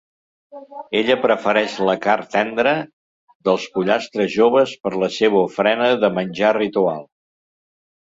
Ella prefereix la car tendra dels pollastres joves per la seva ofrena de menjar ritual.